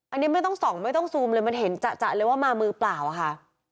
อันนี้ไม่ต้องส่องไม่ต้องซูมเลยมันเห็นจะเลยว่ามามือเปล่าอะค่ะ